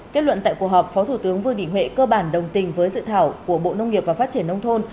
kết luận tại cuộc họp phó thủ tướng vương đình huệ cơ bản đồng tình với dự thảo của bộ nông nghiệp và phát triển nông thôn